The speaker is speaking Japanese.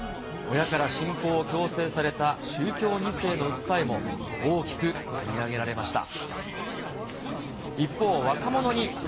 親から信仰を強制された宗教２世の訴えも、大きく取り上げられました。